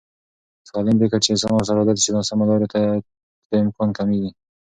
. سالم فکر چې انسان ورسره عادت شي، ناسمو لارو ته د تلو امکان کمېږي.